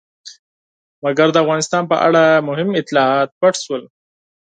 مګر د افغانستان په اړه مهم اطلاعات پټ شول.